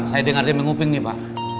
saya dengar dia menguping nih pak